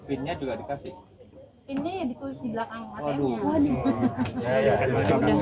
ini ditulis di belakang